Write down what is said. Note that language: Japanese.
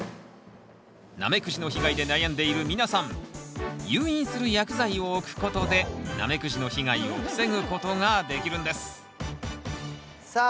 ナメクジの被害で悩んでいる皆さん誘引する薬剤を置くことでナメクジの被害を防ぐことができるんですさあ